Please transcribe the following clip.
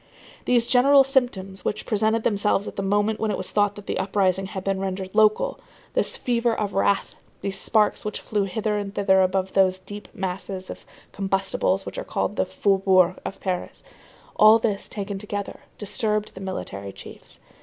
These general symptoms which presented themselves at the moment when it was thought that the uprising had been rendered local, this fever of wrath, these sparks which flew hither and thither above those deep masses of combustibles which are called the faubourgs of Paris,—all this, taken together, disturbed the military chiefs.